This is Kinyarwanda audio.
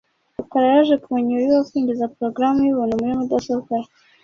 rukara yaje kumenya uburyo bwo kwinjiza porogaramu yubuntu kuri mudasobwa ye .